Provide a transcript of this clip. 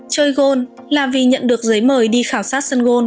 chơi gold là vì nhận được giấy mời đi khảo sát sân gôn